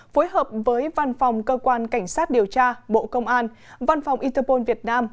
phối hợp với văn phòng cơ quan cảnh sát điều tra bộ công an văn phòng interpol việt nam